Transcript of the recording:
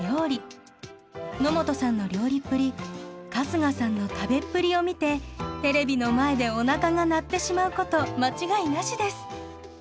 野本さんの料理っぷり春日さんの食べっぷりを見てテレビの前でおなかが鳴ってしまうこと間違いなしです。